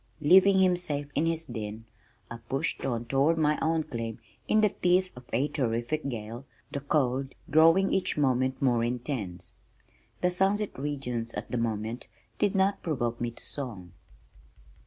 Leaving him safe in his den, I pushed on toward my own claim, in the teeth of a terrific gale, the cold growing each moment more intense. "The sunset regions" at that moment did not provoke me to song.